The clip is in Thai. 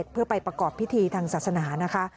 เพื่อไปประกอบพิธีทางศาสนานะคะ